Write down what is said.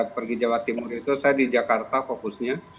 pergi jawa timur itu saya di jakarta fokusnya